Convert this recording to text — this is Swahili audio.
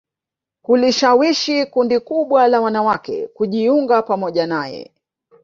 kulishawishi kundi kubwa la wanawake kujiunga pamoja naye